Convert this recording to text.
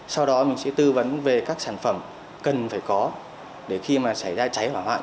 sau đó mình sẽ tư vấn về các sản phẩm cần phải có để khi mà xảy ra cháy hỏa hoạn